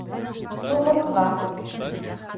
Тумыртҡа